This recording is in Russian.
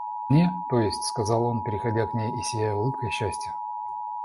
Мне, то есть, — сказал он, подходя к ней и сияя улыбкой счастья.